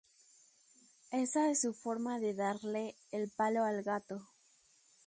Esa es su forma de darle "el palo al gato".